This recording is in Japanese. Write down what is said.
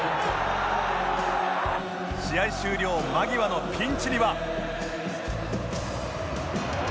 試合終了間際のピンチには